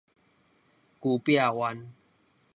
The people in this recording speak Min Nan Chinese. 龜壁灣